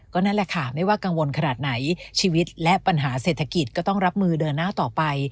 นั่นแหละค่ะไม่ว่ากังวลขนาดไหนชีวิตและปัญหาเศรษฐกิจก็ต้องรับมือเดินหน้าต่อไป